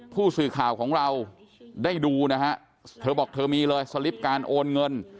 ผู้สื่อข่าวของเราได้ดูนะฮะเธอบอกเธอมีเลยสลิปการโอนเงิน